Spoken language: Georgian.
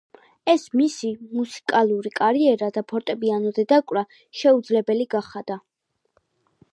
ეს მისი მუსიკალური კარიერა და ფორტეპიანოზე დაკვრა შეუძლებელი გახადა.